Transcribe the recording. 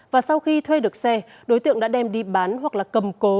và sau khi thuê được xe đối tượng đã đem đi bán hoặc là cầm cố